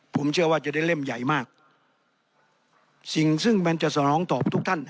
ผมเชื่อว่าจะได้เล่มใหญ่มากสิ่งซึ่งมันจะสนองตอบทุกท่าน